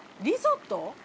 リゾット？